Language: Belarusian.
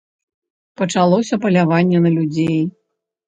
Пачалося паляванне на людзей.